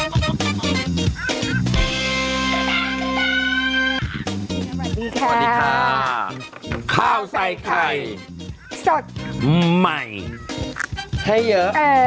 สวัสดีค่ะสวัสดีค่ะข้าวใส่ไข่สดใหม่ให้เยอะ